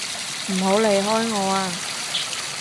唔好離開我啊！